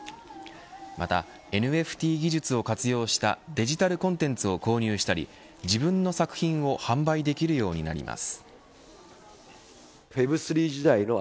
また、ＮＦＴ技術を活用したデジタルコンテンツを購入したり自分の作品を販売できるようになります。